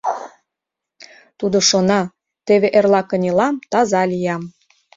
Тудо шона: теве эрла кынелам, таза лиям.